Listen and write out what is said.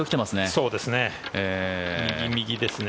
そうですね。